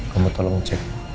kamu tolong cek